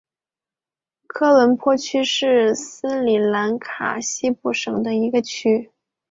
科伦坡区是斯里兰卡西部省的一个区。